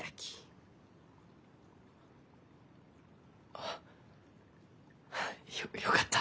はあよよかった。